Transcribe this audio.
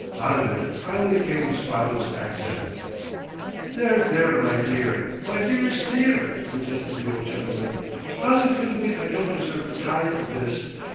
Out of it finally came the father's accents. "There, there, my dear! My dearest dear!" protested the old gentleman. "Positively I don't deserve a tithe of this.